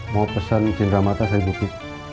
mau pesen cinta mata saya buki